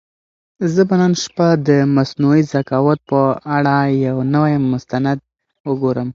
زه به نن شپه د مصنوعي ذکاوت په اړه یو نوی مستند وګورم.